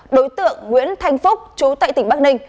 đối tượng nguyễn thanh phúc chú tại tỉnh bắc ninh